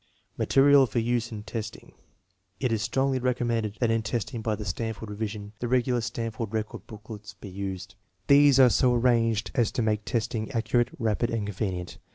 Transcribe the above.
Material for use in testing. It is strongly recommended that in testing by the Stanford revision the regular Stan ford record booklets be used. These are so arranged as to make testing accurate, rapid, and convenient.